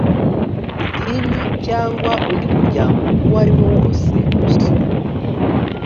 idini cyangwa undi muryango uwo ari wose ntusora